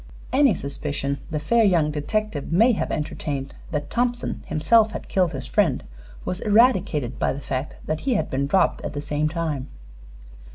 Any suspicion the fair young detective may have entertained that Thompson himself had killed his friend was eradicated by the fact that he had been robbed at the same time.